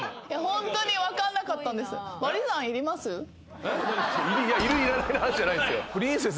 ホントに分かんなかったんです。